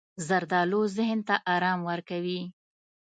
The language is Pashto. زردالو ذهن ته ارام ورکوي.